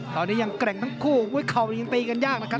ตอนนี้ยังแกร่งทั้งคู่เข่ายังตีกันยากนะครับ